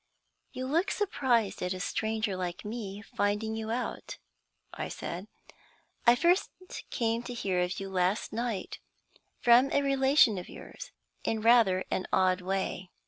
"You look surprised at a stranger like me finding you out," I said. "I first came to hear of you last night, from a relation of yours, in rather an odd way."